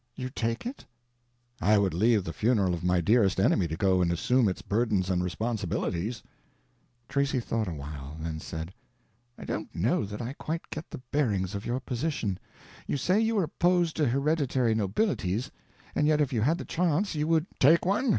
"You'd take it?" "I would leave the funeral of my dearest enemy to go and assume its burdens and responsibilities." Tracy thought a while, then said: "I don't know that I quite get the bearings of your position. You say you are opposed to hereditary nobilities, and yet if you had the chance you would—" "Take one?